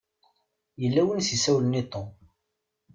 Yella win i s-isawlen i Tom.